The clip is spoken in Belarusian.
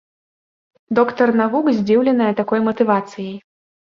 Доктар навук здзіўленая такой матывацыяй.